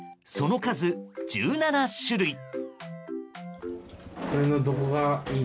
その数、１７種類。